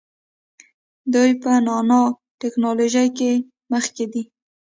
دوی په نانو ټیکنالوژۍ کې مخکې دي.